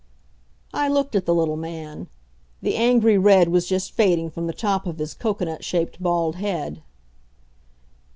I looked at the little man; the angry red was just fading from the top of his cocoanut shaped bald head.